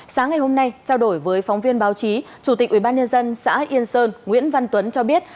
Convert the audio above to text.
sáng ngày hôm nay trao đổi với phóng viên báo chí chủ tịch ubnd xã yên sơn nguyễn văn tuấn cho biết